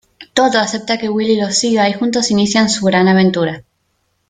Toto acepta que Willy lo siga y juntos inician su gran "aventura".